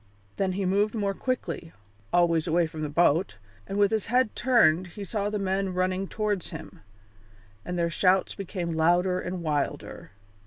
Then he moved more quickly, always away from the boat, and with his head turned he saw the men running towards him, and their shouts became louder and wilder.